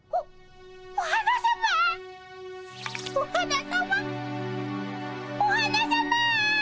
お花さまお花さま。